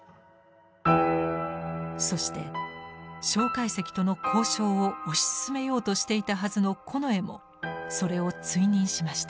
そして介石との交渉を推し進めようとしていたはずの近衛もそれを追認しました。